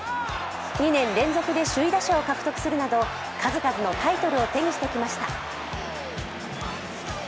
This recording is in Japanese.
２年連続で首位打者を獲得するなど数々のタイトルを手にしてきました。